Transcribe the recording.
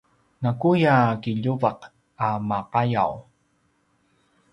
nakuya kiljuvaq a maqayaw